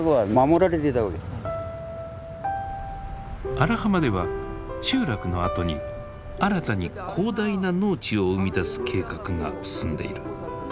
荒浜では集落の跡に新たに広大な農地を生み出す計画が進んでいる。